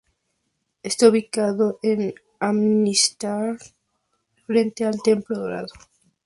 Está ubicado en Amritsar, frente al Templo Dorado.